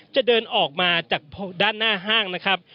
จะเดินออกมาจากด้านหน้าห้างนะครับ